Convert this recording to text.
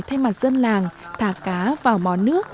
thay mặt dân làng thả cá vào mó nước